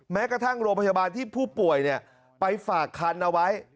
แม้กระทั่งโรงพยาบาลที่ผู้ป่วยไปฝากคันเอาไว้